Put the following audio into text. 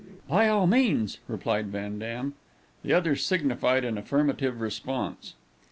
"By all means," replied Van Dam. The others signified an affirmative response.